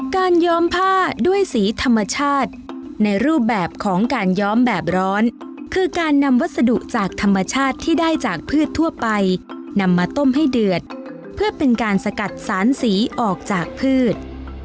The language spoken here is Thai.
ย้อมผ้าด้วยสีธรรมชาติในรูปแบบของการย้อมแบบร้อนคือการนำวัสดุจากธรรมชาติที่ได้จากพืชทั่วไปนำมาต้มให้เดือดเพื่อเป็นการสกัดสารสีออกจากพืช